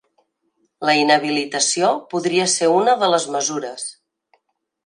La inhabilitació podria ser una de les mesures